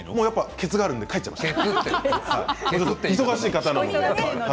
ケツがあるので帰ってしまいました。